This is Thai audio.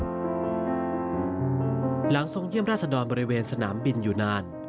หลังทรงเยี่ยมราชดรบริเวณสนามบินอยู่นาน